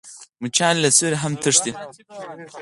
مچان له سیوري هم تښتي